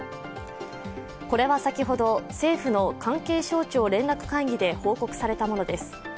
これは、先ほど政府の関係省庁連絡会議で報告されたものです。